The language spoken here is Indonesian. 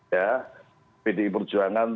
ya pdi perjuangan